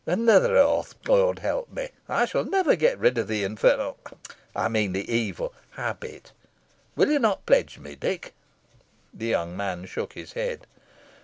Another oath. Lord help me! I shall never get rid of the infernal I mean, the evil habit. Will you not pledge me, Dick?" The young man shook his head.